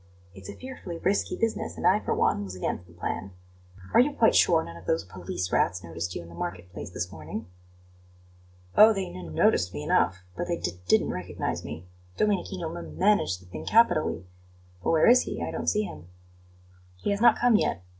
It's a fearfully risky business, and I, for one, was against the plan. Are you quite sure none of those police rats noticed you in the market place this morning?" "Oh, they n noticed me enough, but they d didn't recognize me. Domenichino m managed the thing capitally. But where is he? I don't see him." "He has not come yet.